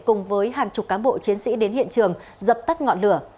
cùng với hàng chục cán bộ chiến sĩ đến hiện trường dập tắt ngọn lửa